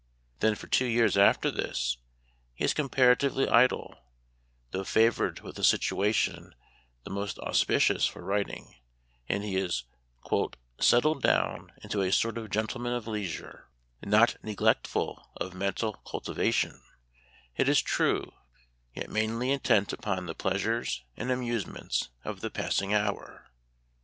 Then for two years after this he is compara tively idle, though favored with a situation the most auspicious for writing, and he is " settled down into a sort of gentleman of leisure — not neglectful of mental cultivation, it is true, yet mainly intent upon the pleasures and amuse ments of the passing hour."